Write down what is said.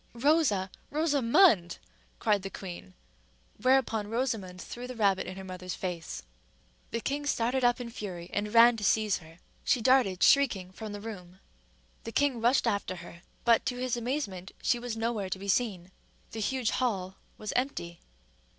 "Rosa, Rosa_mond!_" cried the queen; whereupon Rosamond threw the rabbit in her mother's face. The king started up in a fury, and ran to seize her. She darted shrieking from the room. The king rushed after her; but, to his amazement, she was nowhere to be seen: the huge hall was empty.